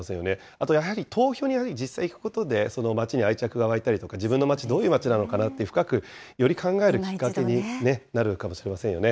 あとやはり投票に実際に行くことで、その街に愛着がわいたりとか、自分の街、どういう街なのかなというのを深くより考えるきっかけになるかもしれませんよね。